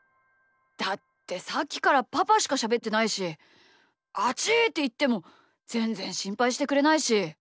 だってさっきからパパしかしゃべってないし「あちぃ！」っていってもぜんぜんしんぱいしてくれないし。